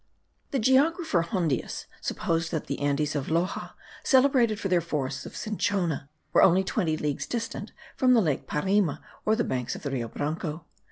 The geographer Hondius supposed that the Andes of Loxa, celebrated for their forests of cinchona, were only twenty leagues distant from the lake Parima, or the banks of the Rio Branco.